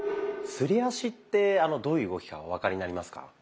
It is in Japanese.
すり足ってどういう動きかお分かりになりますか？